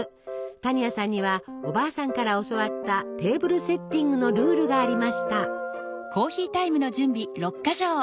多仁亜さんにはおばあさんから教わったテーブルセッティングのルールがありました。